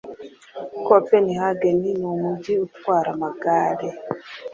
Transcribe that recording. Copenhagen numujyi utwara amagare.